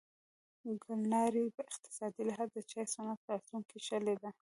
ګلنارې په اقتصادي لحاظ د چای صنعت راتلونکې ښه لیده.